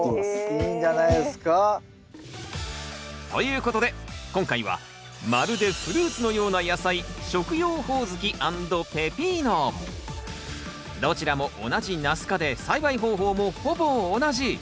いいんじゃないですか！ということで今回はまるでフルーツのような野菜どちらも同じナス科で栽培方法もほぼ同じ。